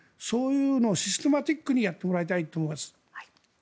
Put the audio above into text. そういうのをシステマチックにやってもらいたいです。